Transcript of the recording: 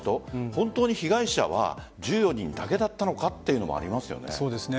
本当に被害者は１４人だけだったのかというのもありますよね。